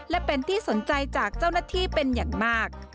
และเป็นที่สนใจจากเจ้าหน้าที่เป็นอย่างมาก